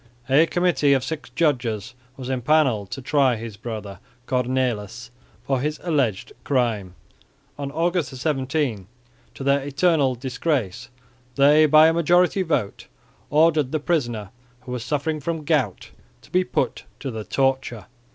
A committee of six judges were empanelled to try his brother Cornelis for his alleged crime. On August 17, to their eternal disgrace, they by a majority vote ordered the prisoner, who was suffering from gout, to be put to the torture.